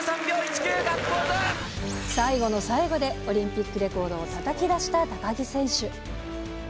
最後の最後で、オリンピックレコードをたたき出した高木選手。